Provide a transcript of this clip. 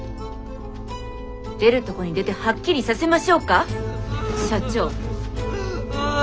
出るとこに出てはっきりさせましょうか社長。